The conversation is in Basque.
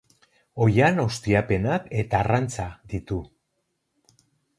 Oihan ustiapenak eta arrantza ditu.